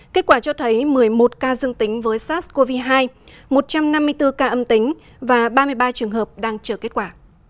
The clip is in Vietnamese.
kết quả cho thấy một mươi một ca dương tính với sars cov hai một trăm năm mươi bốn ca âm tính và ba mươi ba trường hợp đang chờ kết quả